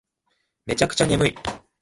めちゃくちゃ眠い